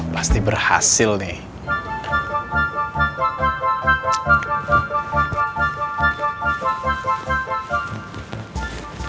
pasti berhasil nih